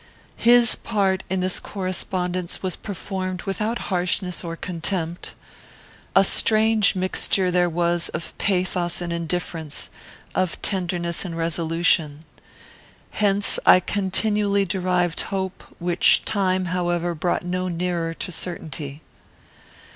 "His part in this correspondence was performed without harshness or contempt. A strange mixture there was of pathos and indifference; of tenderness and resolution. Hence I continually derived hope, which time, however, brought no nearer to certainty.